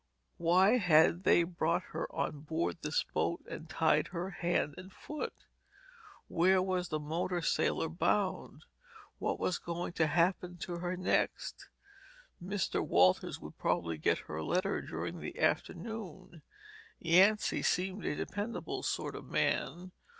Why had they brought her on board this boat and tied her hand and foot? Where was the motor sailor bound? What was going to happen to her next? Mr. Walters would probably get her letter during the afternoon. Yancy seemed a dependable sort of man.